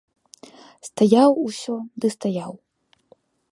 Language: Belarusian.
Стаяў усё ды стаяў.